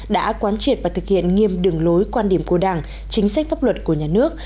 đã quán triệt và thực hiện nghiêm đường lối quan điểm của đảng chính sách pháp luật của nhà nước